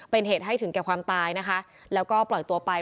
เป็นเหตุให้ถึงแก่ความตายนะคะแล้วก็ปล่อยตัวไป